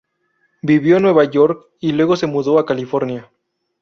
Vivió en Nueva York y luego se mudó a California.